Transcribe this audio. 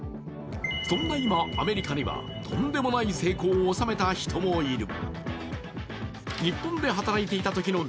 そんな今、アメリカにはとんでもない成功を収めた人もいる。